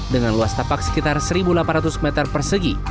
dengan luas tapak sekitar satu delapan ratus meter persegi